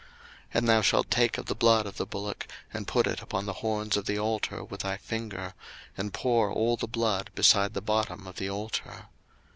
02:029:012 And thou shalt take of the blood of the bullock, and put it upon the horns of the altar with thy finger, and pour all the blood beside the bottom of the altar.